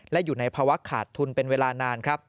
และอยู่ในภาวะขาดทุนเป็นเวลานานครับ